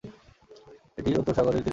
এটি উত্তর সাগরের তীরে অবস্থিত।